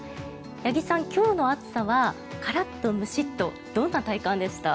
八木さん、今日の暑さはカラッと、ムシッとどんな体感でした？